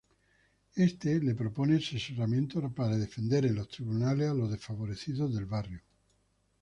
Éste le propone asesoramiento para defender en los tribunales a los desfavorecidos del barrio.